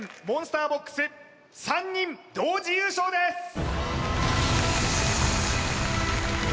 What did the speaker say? モンスターボックス３人同時優勝です